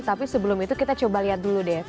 tapi sebelum itu kita coba lihat dulu deh